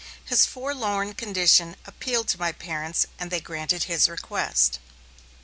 His forlorn condition appealed to my parents and they granted his request.